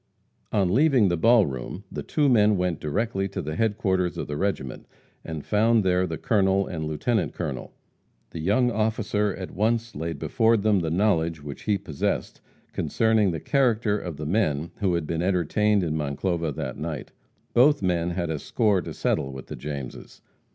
On leaving the ball room, the two men went directly to the headquarters of the regiment, and found there the colonel and lieutenant colonel. The young officer at once laid before them the knowledge which he possessed concerning the character of the men who were being entertained in Monclova that night. Both men had a score to settle with the Jameses.